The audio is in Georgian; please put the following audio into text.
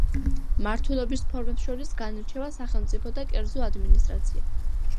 მმართველობის ფორმებს შორის განირჩევა სახელმწიფო და კერძო ადმინისტრაცია.